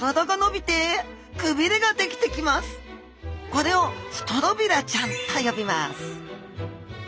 これをストロビラちゃんと呼びます